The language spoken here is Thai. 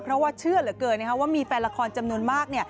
เพราะว่าเชื่อเหลือเกินว่ามีแฟนละครจำนวนมาก